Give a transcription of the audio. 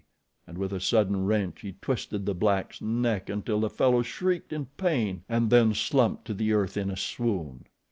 and with a sudden wrench he twisted the black's neck until the fellow shrieked in pain and then slumped to the earth in a swoon.